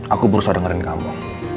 aku berusaha dengerin kamu